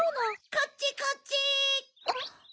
こっちこっち！